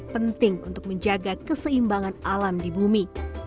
sampah plastik di laut masih menjaga keseimbangan alam di bumi